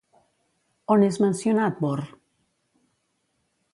On és mencionat, Borr?